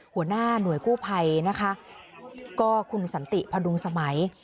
หัวหน้าหน่วยกู้ภัยนะคะก็คุณสันติพดุงสมัย